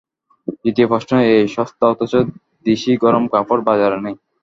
দ্বিতীয় প্রশ্ন এই, সস্তা অথচ দিশি গরম কাপড় বাজারে নেই।